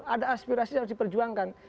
ada aspirasi yang harus diperjuangkan